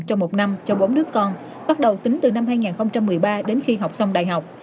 trong một năm cho bốn đứa con bắt đầu tính từ năm hai nghìn một mươi ba đến khi học xong đại học